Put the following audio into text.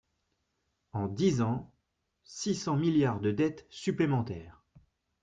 En dix ans, six cents milliards de dettes supplémentaires